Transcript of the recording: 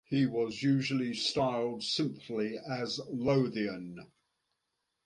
He was usually styled simply as Lothian.